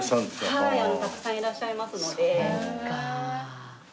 はいたくさんいらっしゃいますので。